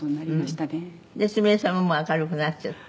「ですみれさんももう明るくなっちゃって？」